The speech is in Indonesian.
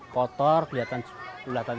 kotor kelihatan kotor